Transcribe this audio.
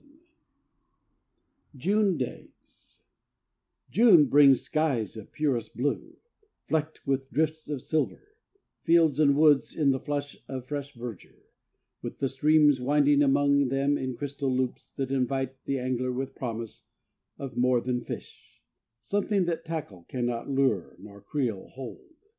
XV JUNE DAYS June brings skies of purest blue, flecked with drifts of silver, fields and woods in the flush of fresh verdure, with the streams winding among them in crystal loops that invite the angler with promise of more than fish, something that tackle cannot lure nor creel hold.